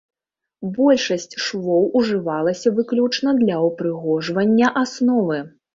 Большасць швоў ужывалася выключна для ўпрыгожвання асновы.